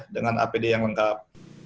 dengan apd yang lengkap